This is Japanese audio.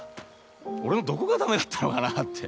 俺のどこが駄目だったのかなって。